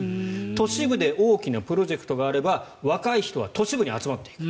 都市部で大きなプロジェクトがあれば若い人は都市部に集まっていく。